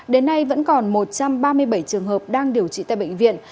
đến nay vẫn còn một trăm ba mươi bảy trường hợp đang điều trị tại bệnh viện